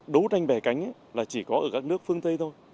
đấu tranh bè cánh là chỉ có ở các nước phương tây thôi